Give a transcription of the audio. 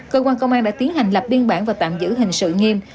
cơ quan công an đã tiến hành lập biên bản và tạm giữ hình sự nghiêm